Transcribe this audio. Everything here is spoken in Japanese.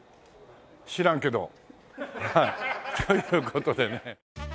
知らんけど。という事でね。